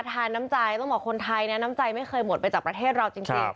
ทานน้ำใจต้องบอกคนไทยนะน้ำใจไม่เคยหมดไปจากประเทศเราจริง